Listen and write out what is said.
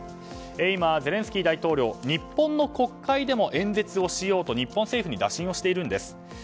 今、ゼレンスキー大統領日本の国会でも演説をしようと日本政府に打診しているんです。